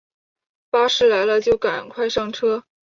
巴士来了就赶快上车